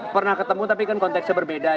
ya kan pernah ketemu tapi kan kontekstnya berbeda ya